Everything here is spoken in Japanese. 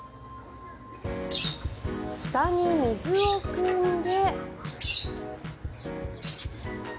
ふたに水をくんで。